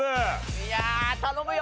いや頼むよ！